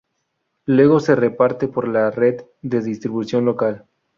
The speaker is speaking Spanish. Luego se reparte por la red de distribución local.